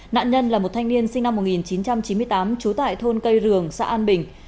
nạn nhân là một thanh niên sinh năm một nghìn chín trăm chín mươi tám trú tại thôn cây rường xã an bình